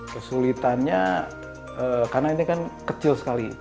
kesulitannya karena ini kan kecil sekali